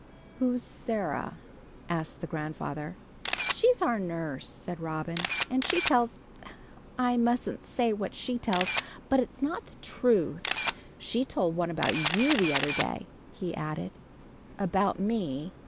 "Who's Sarah?" asked the grandfather. "She's our nurse," said Robin, "and she tells I mustn't say what she tells but it's not the truth. She told one about you the other day," he added. "About me?"